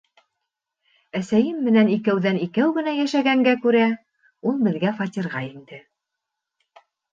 Әсәйем менән икәүҙән-икәү генә йәшәгәнгә күрә, ул беҙгә фатирға инде.